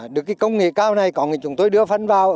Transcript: được công nghệ cao này còn chúng tôi đưa phân vào